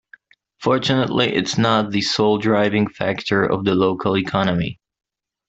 Fortunately its not the sole driving factor of the local economy.